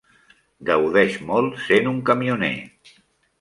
Gaudeix molt sent un camioner.